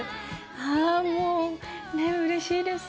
ああ、もうね、うれしいです。